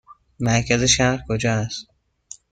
مرکز شهر کجا است؟